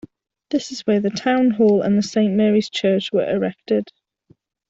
This is where the town hall and the Saint Mary's Church were erected.